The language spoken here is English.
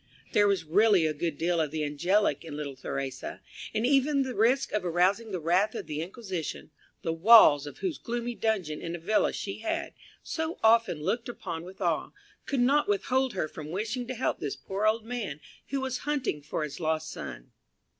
There was really a good deal of the angelic in little Theresa, and even the risk of arousing the wrath of the Inquisition, the walls of whose gloomy dungeon in Avila she had, so often looked upon with awe, could not withhold her from wishing to help this poor old man who was hunting for his lost son.